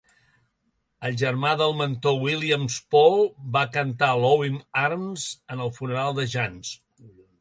El germà del mentor Williams, Paul, va cantar "Loving Arms" en el funeral de Jans.